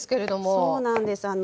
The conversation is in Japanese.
はいそうなんです。